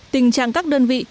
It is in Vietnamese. tình trạng các đơn vị